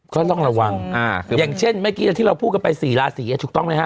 ก็ต้องระวังอย่างเช่นเมื่อกี้ที่เราพูดกันไป๔ราศีถูกต้องไหมฮ